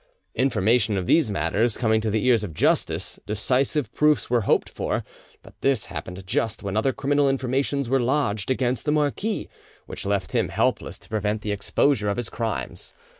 Information of these matters coming to the ears of justice, decisive proofs were hoped for; but this happened just when other criminal informations were lodged against the marquis, which left him helpless to prevent the exposure of his crimes.